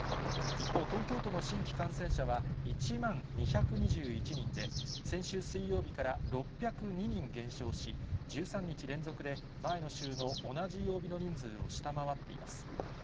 一方、東京都の新規感染者は１万２２１人で、先週水曜日から６０２人減少し、１３日連続で前の週の同じ曜日の人数を下回っています。